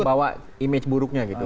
kebawa image buruknya gitu